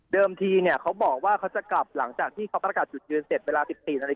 เดิมทีเขาบอกว่าเขาจะกลับหลังจากที่เขาระกัดจุดยืนเสร็จเวลา๑๕นาที๓๐นาที